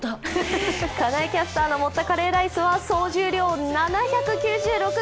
金井キャスターの盛ったカレーライスは総重量７９６ｇ。